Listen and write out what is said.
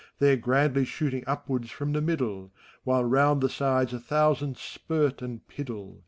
There grandly shooting upwards from the middle, While round the sides a thousand spirt and piddle.